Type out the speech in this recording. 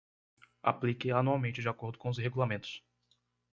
Aplique anualmente de acordo com os regulamentos